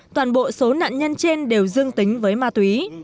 toàn bộ số nạn nhân trên đều dương tính với ma túy